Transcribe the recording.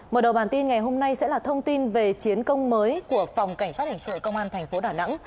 mở đầu bản tin ngày hôm nay sẽ là thông tin về chiến công mới của phòng cảnh sát hình sự công an thành phố đà nẵng